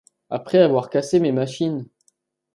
après avoir cassé mes machines !